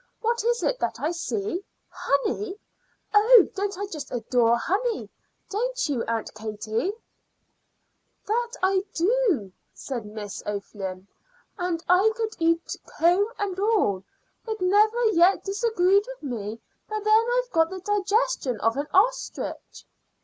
What is that I see? Honey! Oh, don't I just adore honey? Don't you, Aunt Katie?" "That I do," said Miss O'Flynn; "and I eat it comb and all. It never yet disagreed with me; but then I've got the digestion of an ostrich."